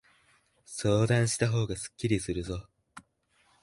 相談したほうがすっきりするぞ。